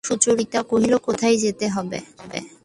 সুচরিতা কহিল, কোথায় যেতে হবে?